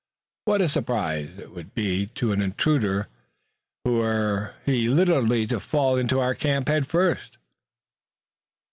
"What a surprise it would be to an intruder were he literally to fall into our camp headfirst."